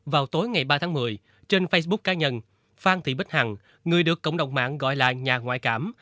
vào tối ngày ba tháng một mươi trên facebook cá nhân phan thị bích hằng người được cộng đồng mạng gọi là nhà ngoại cảm